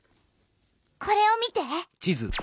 これを見て！